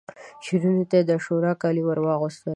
شعر ته یې د عاشورا کالي ورواغوستل